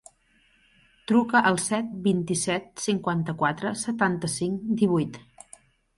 Truca al set, vint-i-set, cinquanta-quatre, setanta-cinc, divuit.